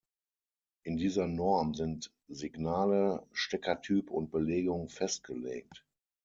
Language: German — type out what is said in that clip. In dieser Norm sind Signale, Steckertyp und -belegung festgelegt.